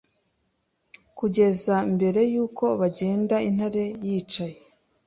Kugeza mbere yuko bagenda Intare yicaye